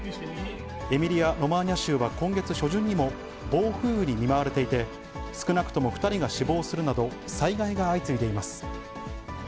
エミリア・ロマーニャ州は今月初旬にも暴風雨に見舞われていて、少なくとも２人が死亡するなど、災害が相次いでいます。